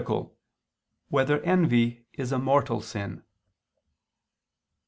3] Whether Envy Is a Mortal Sin?